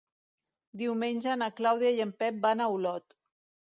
Diumenge na Clàudia i en Pep van a Olot.